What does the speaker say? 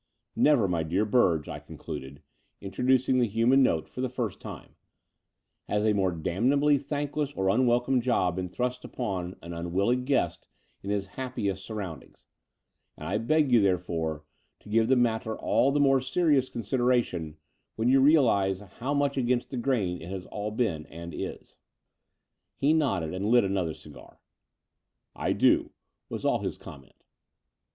"Never, my dear Surge," I concluded, intro ducing the htunan note for the first time, "has a more damnably thankless or unwelcome job been thrust upon an unwilling guest in his happiest surroundings: and I beg you, therefore, to give the matter all the more serious consideration when you realize how much against the grain it all has been and is." He nodded and lit another dgar. "I do," was all his comment.